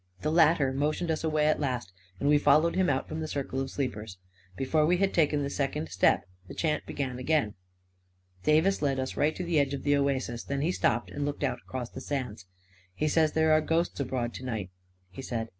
The latter motioned us away at last, and we followed him out from the circle of sleepers. Before we had taken the second step, the chant began again. Davis led us right to the edge of the oasis. Then he stopped and looked out across the sands. 11 He says there are ghosts abroad to night," he said.